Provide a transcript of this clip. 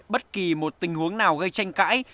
bất kỳ một tình huống nào gây tranh cãi